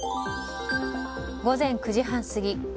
午前９時半過ぎ。